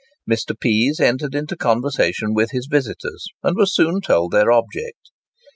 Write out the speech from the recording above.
Mr. Pease entered into conversation with his visitors, and was soon told their object.